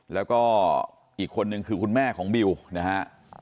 แล้วก็อีกคนนึงคือคุณแม่ของบิวนะฮะ